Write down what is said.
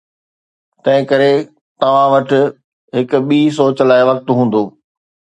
تنهن ڪري توهان وٽ هڪ ٻي سوچ لاء وقت هوندو.